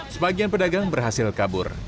sebagian pedagang berhasil kabur